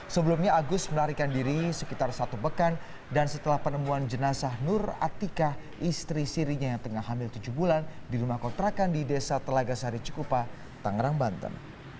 sebelumnya agus melarikan diri sekitar satu pekan dan setelah penemuan jenazah nur atika istri sirinya yang tengah hamil tujuh bulan di rumah kontrakan di desa telaga sari cikupa tangerang banten